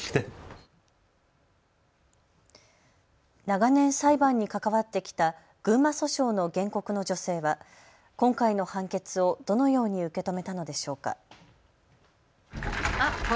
長年、裁判に関わってきた群馬訴訟の原告の女性は今回の判決をどのように受け止めたのでしょうか。